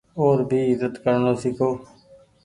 او ر ڀي ايزت ڪرڻو سيکو۔